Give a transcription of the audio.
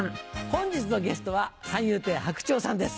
本日のゲストは三遊亭白鳥さんです。